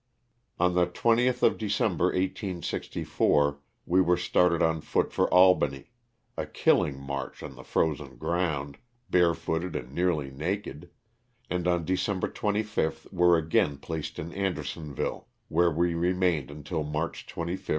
On the 20th of December, 1864, we were started on foot for Albany— a killing march on the frozen ground, barefooted and nearly naked — and on December 25 were again placed in Andersonville where we remained until March 25, 1865.